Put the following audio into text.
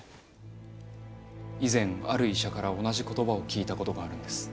以前ある医者から同じ言葉を聞いたことがあるんです。